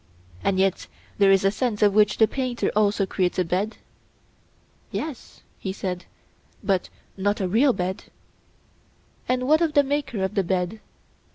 And yet there is a sense in which the painter also creates a bed? Yes, he said, but not a real bed. And what of the maker of the bed?